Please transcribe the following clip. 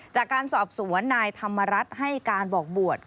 จากการสอบสวนนายธรรมรัฐให้การบอกบวช